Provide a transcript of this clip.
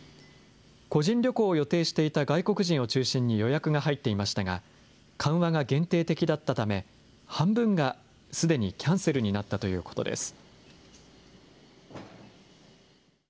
個人旅行を予定していた外国人を中心に予約が入っていましたが、緩和が限定的だったため、半分がすでにキャンセルになったということです。